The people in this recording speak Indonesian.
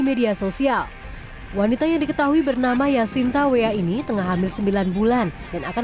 media sosial wanita yang diketahui bernama yasinta wea ini tengah hamil sembilan bulan dan akan